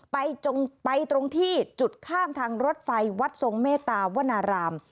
ไปตรงที่จุดข้างทางรถไฟวัดทรงเมตตาวนาราม